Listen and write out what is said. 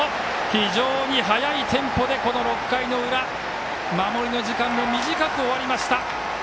非常に速いテンポで６回の裏守りの時間も短く終わりました。